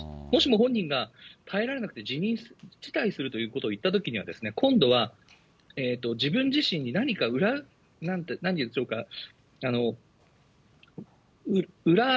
もしも本人が耐えられなくて辞退するということを言ったときには、今度は、自分自身に何か、なんでしょうか、